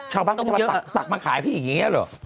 ชาวบ้านก็จะมาตักมาขายพี่อย่างนี้เหรอ